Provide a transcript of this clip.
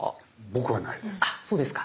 僕はないです。